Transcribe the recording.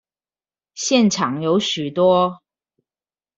現場有許多